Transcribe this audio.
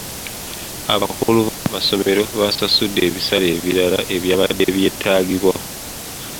Abakulu b'amasomero baasasudde ebisale ebirala ebyabadde byetaagibwa.